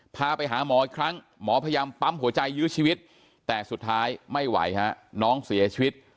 พาไปหาหมออีกครั้งหมอพยายามปั๊มหัวใจยื้อชีวิตแต่สุดท้ายไม่ไหวฮะน้องเสียชีวิต